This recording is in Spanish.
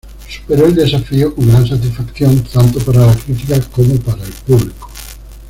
Superó el desafío con gran satisfacción tanto para la crítica como para el público.